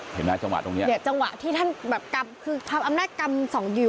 เห็นไหมจังหวะตรงเนี้ยเนี่ยจังหวะที่ท่านแบบกำคือทำอำนาจกำสองดิว